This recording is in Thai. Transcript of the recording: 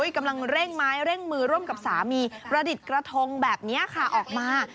กำลังเร่งไม้เร่งมือร่วมกับสามีประดิษฐ์กระทงแบบนี้ค่ะออกมา